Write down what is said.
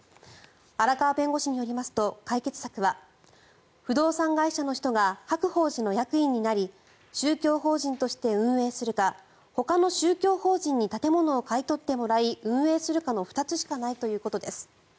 荒川弁護士によりますと解決策は不動産会社の人が白鳳寺の役員になり宗教法人として運営するかほかの宗教法人に建物を買い取ってもらい運営するかの２つしかないということです。